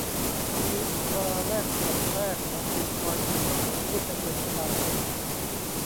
ทั้งนี้ อัตราแลกเปลี่ยนแรกของบิตคอยน์ถูกกำหนดขึ้นในเดือนตุลาคม